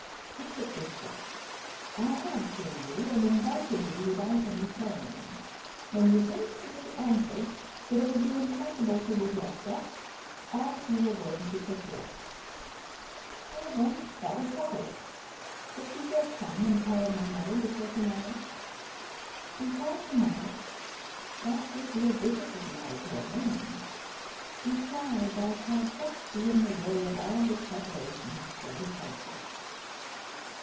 "Fix it this way. I have seen you, and invited you without any ceremony, when you instantly answered that it would be impossible for you to accept, as you were going to Tréport." "Well, then, that is settled; but you will come and call on my mother before tomorrow?" "Before tomorrow?—that will be a difficult matter to arrange, besides, I shall just be in the way of all the preparations for departure."